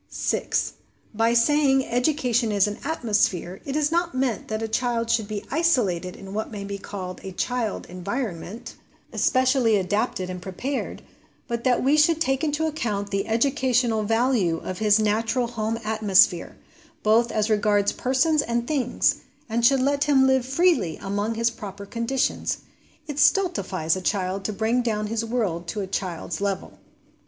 6. By the saying, EDUCATION IS AN ATMO SPHERE, it is not meant that a child should be isolated in what may be called a 'child environment,' xiv PREFACE TO THE ' HOME EDUCATION ' SERIES especially adapted and prepared ; but that we should take into account the educational value of his natural home atmosphere, both as regards persons and things, and should let him live freely among his proper conditions. It stultifies a child to bring down his world to the * child's ' level.